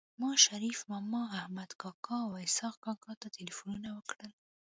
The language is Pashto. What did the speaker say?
ما شريف ماما احمد کاکا او اسحق کاکا ته ټيليفونونه وکړل